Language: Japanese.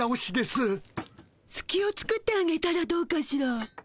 すきを作ってあげたらどうかしら。